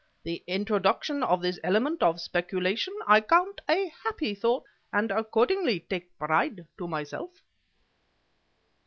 The introduction of this element of speculation, I count a happy thought, and accordingly take pride to myself."